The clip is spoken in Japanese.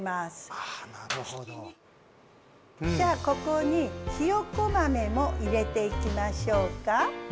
ここにひよこ豆も入れていきましょうか。